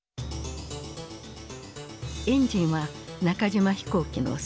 エンジンは中島飛行機の栄。